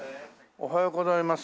おはようございます。